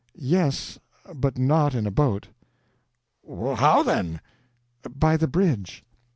"Yes, but not in a boat." "How, then?" "By the bridge."